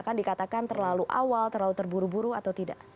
akan dikatakan terlalu awal terlalu terburu buru atau tidak